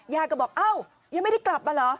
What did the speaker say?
ยายก็บอกเอ้ายังไม่ได้กลับมาเหรอ